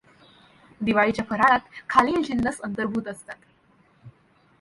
दिवाळीच्या फराळात खालील जिन्नस अंतर्भूत असतात